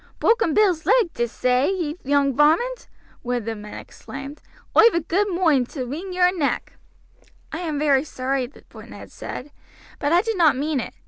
"Broaken Bill's leg, did'st say, ye young varmint?" one of the men exclaimed. "Oi've a good moinde to wring yer neck." "I am very sorry," Ned said; "but I did not mean it.